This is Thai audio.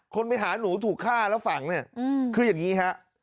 คนไปหาหนูถูกฆ่าแล้วฝังเนี่ยคืออย่างนี้ฮะ